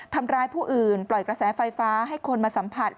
ทำร้ายผู้อื่นปล่อยกระแสไฟฟ้าให้คนมาสัมผัส